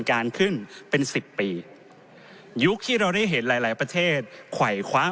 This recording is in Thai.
การขึ้นเป็นสิบปียุคที่เราได้เห็นหลายหลายประเทศไขว่คว้าง